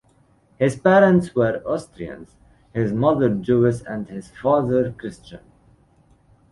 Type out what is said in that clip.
His parents were Austrian, his mother Jewish and his father Christian.